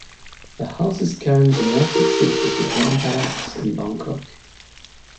The house's current dynastic seat is the Grand Palace in Bangkok.